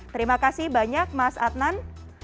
terima kasih banyak mas adnan